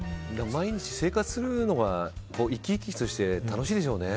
毎日生活するのが生き生きして楽しいでしょうね。